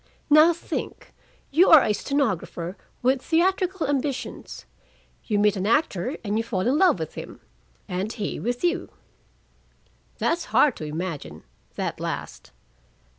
Now think you are a stenographer with theatrical ambitions: you meet an actor and you fall in love with him, and he with you." "That's hard to imagine, that last."